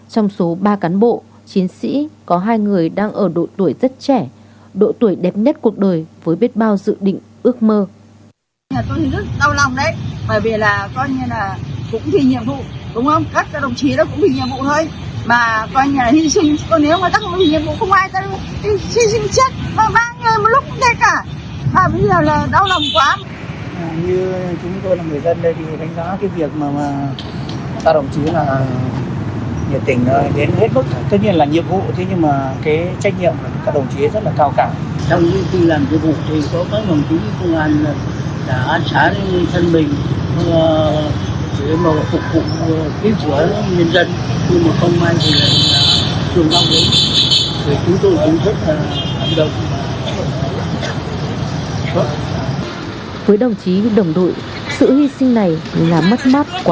trong số ba cán bộ chiến sĩ có hai người đang ở độ tuổi rất trẻ độ tuổi đẹp nhất cuộc đời với biết bao dự định ước mơ